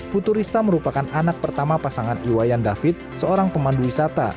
putu rista merupakan anak pertama pasangan iwayan david seorang pemandu wisata